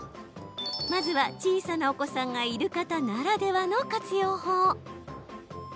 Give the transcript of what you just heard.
まずは小さなお子さんがいる方ならではの活用法。